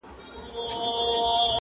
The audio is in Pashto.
مور لږ هوش ته راځي خو لا هم کمزورې ده,